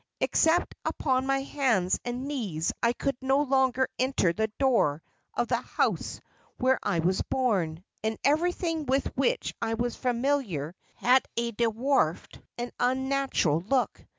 Except upon my hands and knees I could no longer enter the door of the house where I was born, and everything with which I was familiar had a dwarfed and unnatural look.